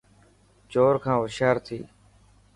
چور کان هوشيار ٿي.